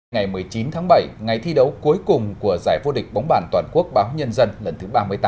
ngày một mươi chín tháng bảy ngày thi đấu cuối cùng của giải vô địch bóng bàn toàn quốc báo nhân dân lần thứ ba mươi tám